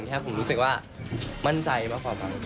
แค่ผมรู้สึกว่ามั่นใจมากกว่า